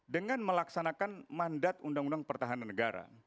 dengan melaksanakan mandat undang undang pertahanan negara